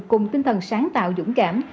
cùng tinh thần sáng tạo dũng cảm